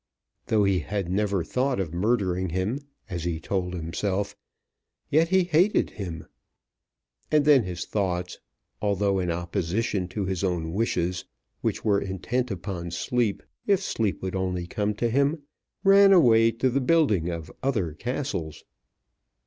Though he had never thought of murdering him, as he told himself, yet he hated him. And then his thoughts, although in opposition to his own wishes, which were intent upon sleep, if sleep would only come to him, ran away to the building of other castles.